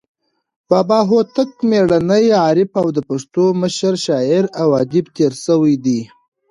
بابا هوتک میړنى، عارف او د پښتو مشر شاعر او ادیب تیر سوى دئ.